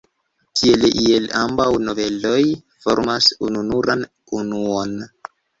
Tiele iel ambaŭ noveloj formas ununuran unuon.